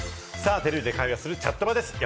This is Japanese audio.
テレビで会話するチャットバです。